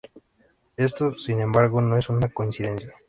Esto, sin embargo, no es una coincidencia.